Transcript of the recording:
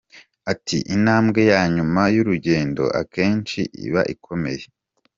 Ati “Intambwe ya nyuma y’urugendo akenshi iba ikomeye.